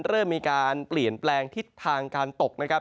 เริ่มมีการเปลี่ยนแปลงทิศทางการตกนะครับ